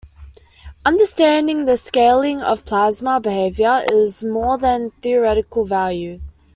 Understanding the scaling of plasma behavior is of more than theoretical value.